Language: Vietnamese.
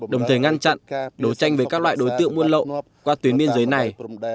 đồng thời ngăn chặn đối tranh với các loại đối tượng muôn lộ qua tuyến biên giới này